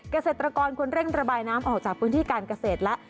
เกษตรกรควรเร่งระบายน้ำออกจากพื้นที่การเกษตรและ